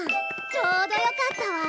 ちょうどよかったわ。